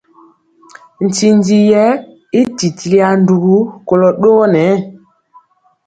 Ntinji yɛ i titiliya ndugu kolɔ ɗogɔ.